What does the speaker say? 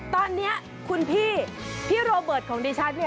ตอนนี้คุณพี่พี่โรเบิร์ตของดิฉันเนี่ย